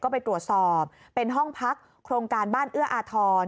ก็ไปตรวจสอบเป็นห้องพักโครงการบ้านเอื้ออาทร